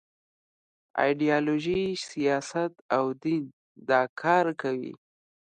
ایډیالوژي، سیاست او دین دا کار کوي.